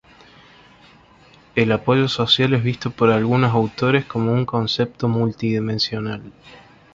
El apoyo social es visto por algunos autores como un concepto multidimensional.